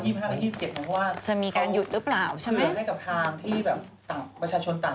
เดินทางเข้ามา